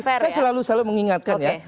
saya selalu mengingatkan ya